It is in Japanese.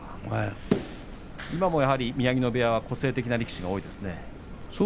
今もやはり宮城野部屋は個性的な力士が多いですね。